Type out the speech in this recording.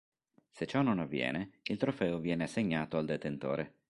Se ciò non avviene il trofeo viene assegnato al detentore.